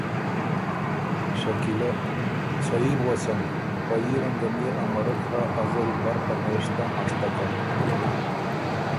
شکیلۀ ـــ صحیح بو غؤسم۔ په په يي رنګم يې امرک هۀ ازل بر پنېشته هںشتکم